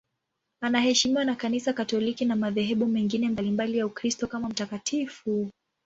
Anaheshimiwa na Kanisa Katoliki na madhehebu mengine mbalimbali ya Ukristo kama mtakatifu.